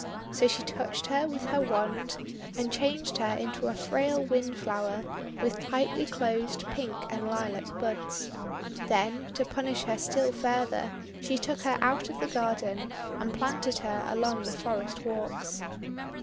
So she touched her with her wand, and changed her into a frail Windflower with tightly closed pink and lilac buds. Then, to punish her still further, she took her out of the garden, and planted her along the forest walks.